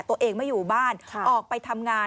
ตัวเองไม่อยู่บ้านออกไปทำงาน